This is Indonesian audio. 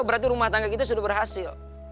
berarti rumah tangga kita sudah berhasil